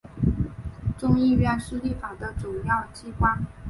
众议院是立法的主要机关。